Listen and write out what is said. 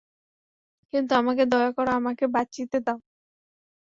কিন্তু আমাকে দয়া করো–আমাকে বাঁচিতে দাও।